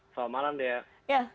selamat malam dea